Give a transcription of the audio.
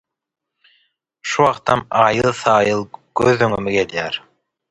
Şu wagtam aýyl-saýyl göz öňüme gelýär.